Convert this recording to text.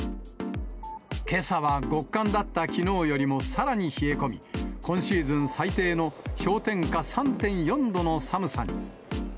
けさは極寒だったきのうよりもさらに冷え込み、今シーズン最低の氷点下３．４度の寒さに。